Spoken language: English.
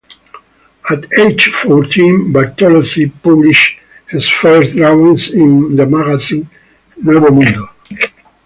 At age fourteen Bartolozzi published his first drawings in the magazine "Nuevo Mundo".